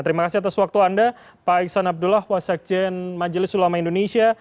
terima kasih atas waktu anda pak iksan abdullah wasekjen majelis ulama indonesia